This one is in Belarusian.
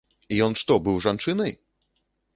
Ён што, быў жанчынай?